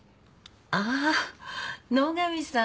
ああ野上さん。